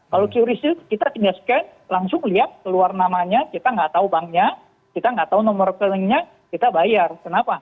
kalau qris kita tinggal scan langsung lihat keluar namanya kita nggak tahu banknya kita nggak tahu nomor rekeningnya kita bayar kenapa